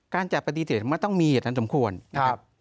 การจะปฏิเสธมันต้องมีเหตุอันสมควรนะครับ